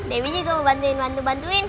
dewi juga mau bantuin bantu bantuin